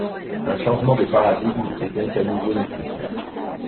Un changement de paradigme est donc à nouveau nécessaire.